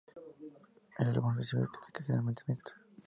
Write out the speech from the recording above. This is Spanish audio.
El álbum recibió críticas generalmente mixtas.